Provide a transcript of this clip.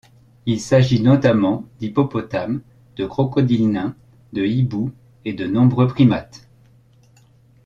Il s'agit notamment d'hippopotames, de crocodiles nains, de hiboux et de nombreux primates.